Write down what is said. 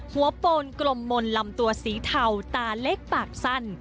โปนกลมมนต์ลำตัวสีเทาตาเล็กปากสั้น